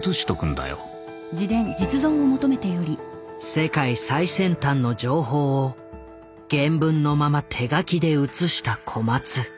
世界最先端の情報を原文のまま手書きで写した小松。